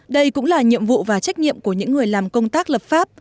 đây cũng là nhiệm vụ và trách nhiệm của những người làm công tác lập pháp